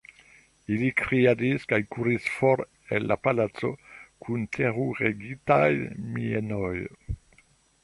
Ili kriadis kaj kuris for el la palaco kun teruregitaj mienoj!